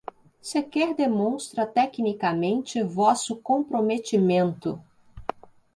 Sequer demonstra tecnicamente vosso comprometimento